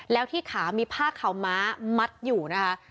แล้วที่ขามีผ้าขาวม้ามัดอยู่นะคะ